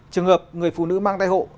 trường hợp người phụ nữ mang thai hộ